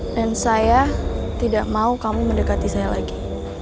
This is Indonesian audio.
dan saya tidak mau kamu mendekati saya lagi